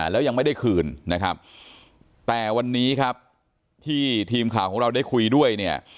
แล้วยังไม่ได้คืนนะครับแต่วันนี้ครับที่ทีมข่าวของเราได้คุยด้วยเนี่ย